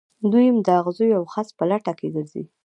دویم د اغزیو او خس په لټه کې ګرځي.